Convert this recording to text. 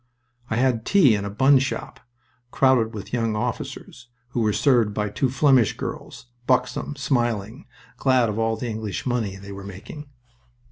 I had tea in a bun shop, crowded with young officers, who were served by two Flemish girls, buxom, smiling, glad of all the English money they were making.